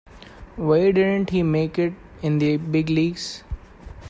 Why didn't he make it in the big leagues?